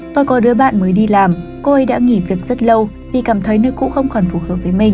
tôi có đứa bạn mới đi làm côi đã nghỉ việc rất lâu vì cảm thấy nơi cũ không còn phù hợp với mình